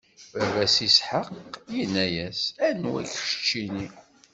Baba-s Isḥaq inna-yas: Anwa-k, keččini?